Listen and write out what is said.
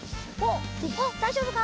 おっだいじょうぶか？